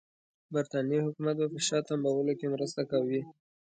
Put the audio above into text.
برټانیې حکومت به په شا تمبولو کې مرسته کوي.